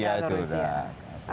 iya amerika rusia